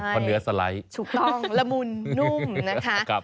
เพราะเนื้อสไลด์ถูกต้องละมุนนุ่มนะคะ